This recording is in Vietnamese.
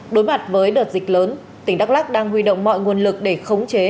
đối mặt với đợt dịch lớn tỉnh đắk lắc đang huy động mọi nguồn lực để khống chế